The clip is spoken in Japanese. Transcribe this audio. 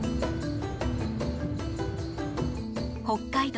北海道